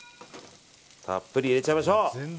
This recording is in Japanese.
たっぷり入れちゃいましょう！